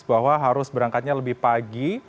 bahwa harus berangkatnya lebih pagi